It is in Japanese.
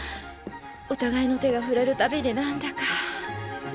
お互いの手が触れるたびになんだか。